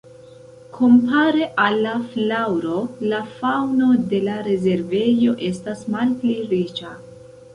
Kompare al la flaŭro la faŭno de la rezervejo estas malpli riĉa.